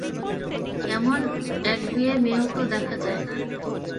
এমন একগুঁয়ে মেয়েও তো দেখা যায় না।